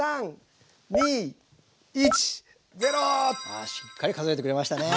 あしっかり数えてくれましたね。